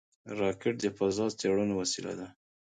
راکټ د فضا څېړنو وسیله ده